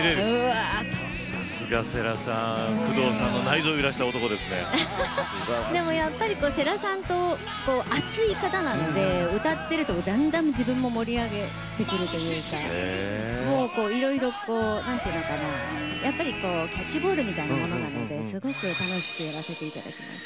さすが世良さん工藤さんの内臓を揺らした世良さん、熱い方なので歌っていると、だんだん自分も盛り上がってくるというかいろいろなんというのかなキャッチボールのようなものがあってすごく楽しくやらせていただきました。